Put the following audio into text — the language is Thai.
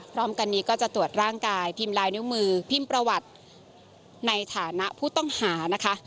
พร้อมกันนี้ก็จะตรวจร่างกายพิมพ์ลายนิ้วมือพิมพ์ประวัติในฐานะผู้ต้องหานะคะ